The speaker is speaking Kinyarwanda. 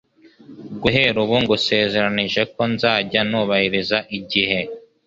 Guhera ubu, ngusezeranije ko nzajya nubahiriza igihe.